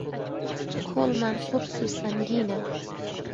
کۆڵمان قورس و سەنگینە